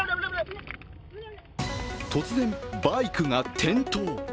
突然、バイクが転倒。